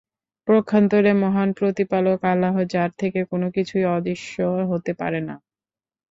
পক্ষান্তরে, মহান প্রতিপালক আল্লাহ, যার থেকে কোন কিছুই অদৃশ্য হতে পারে না।